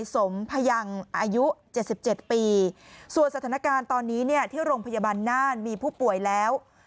สมพยังอายุ๗๗ปีส่วนสถานการณ์ตอนนี้เนี่ยที่โรงพยาบาลน่านมีผู้ป่วยแล้ว